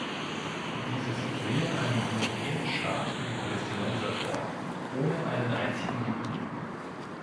Dieses sehe einen homogenen Staat für die Palästinenser vor, ohne einen einzigen Juden.